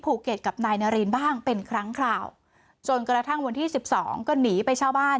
กับนายนารินบ้างเป็นครั้งคราวจนกระทั่งวันที่สิบสองก็หนีไปเช่าบ้าน